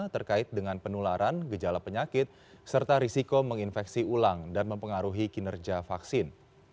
terkait dengan penularan gejala penyakit serta risiko menginfeksi ulang dan mempengaruhi kinerja vaksin